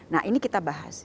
nah ini kita bahas